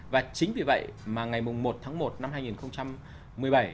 và chính vì vậy mà ngày một tháng một năm hai nghìn một mươi bảy